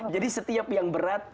jadi setiap yang berat